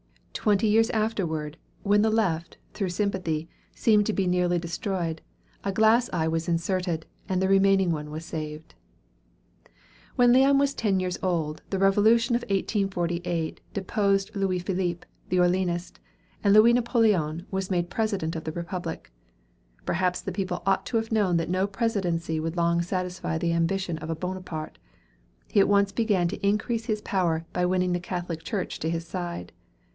Twenty years afterward, when the left, through sympathy, seemed to be nearly destroyed, a glass eye was inserted, and the remaining one was saved. When Leon was ten years old, the Revolution of 1848 deposed Louis Philippe, the Orleanist, and Louis Napoleon was made President of the Republic. Perhaps the people ought to have known that no presidency would long satisfy the ambition of a Bonaparte. He at once began to increase his power by winning the Catholic Church to his side.